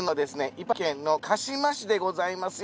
茨城県の鹿嶋市でございますよ。